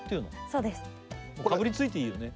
そうですかぶりついていいよね？